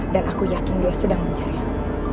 dan aku yakin dia sedang mencari aku